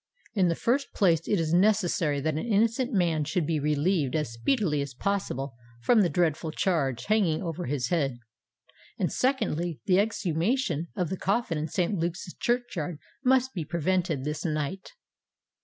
In the first place, it is necessary that an innocent man should be relieved as speedily as possible from the dreadful charge hanging over his head; and secondly, the exhumation of the coffin in Saint Luke's churchyard must be prevented this night."